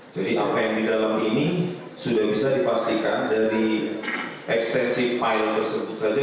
jadi apa yang di dalam ini sudah bisa dipastikan dari ekstensi file tersebut saja